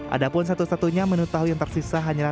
ada pun satu satunya menu tahu yang tersisa hanyalah